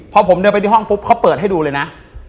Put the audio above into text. พอผมเดินไปที่ห้องปุ๊บเขาเปิดให้ดูเลยนะ